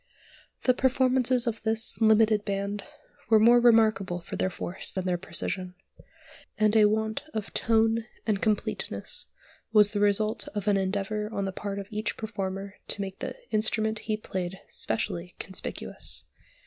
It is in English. The performances of this "limited band" were more remarkable for their force than their precision; and a want of "tone" and completeness was the result of an endeavour on the part of each performer to make the instrument he played specially conspicuous.